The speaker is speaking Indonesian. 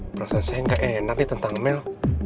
perasaan saya gak enak nih tentang mel